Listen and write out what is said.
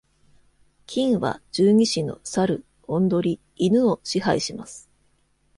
金は、十二支の猿、雄鶏、犬を支配します。